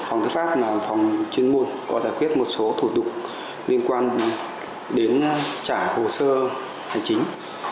phòng thư pháp phòng chuyên môn có giải quyết một số thủ tục liên quan đến trả hồ sơ hành chính